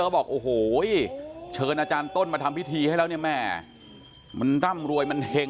บอกโอ้โหเชิญอาจารย์ต้นมาทำพิธีให้แล้วเนี่ยแม่มันร่ำรวยมันเห็ง